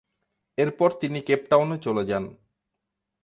এরপর তিনি কেপটাউনে চলে যান।